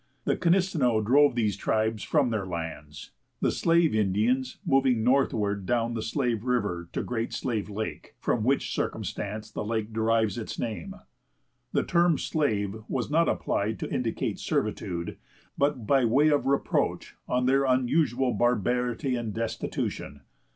The Knisteneux drove these tribes from their lands, the Slave Indians moving northward down the Slave River to Great Slave Lake, from which circumstance the lake derives its name. The term Slave was not applied to indicate servitude, but by way of reproach on their unusual barbarity and destitution.